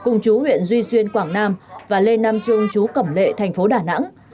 nguyễn duy xuyên quảng nam và lê nam trung chú cẩm lệ thành phố đà nẵng